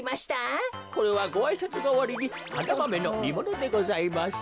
これはごあいさつがわりにハナマメのにものでございます。